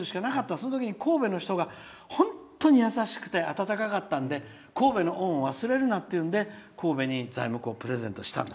そのときに神戸の人が本当に優しくて暖かかったので神戸の恩を忘れるなと神戸に材木をプレゼントしたと。